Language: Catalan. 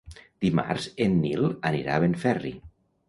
Dimarts en Nil anirà a Benferri.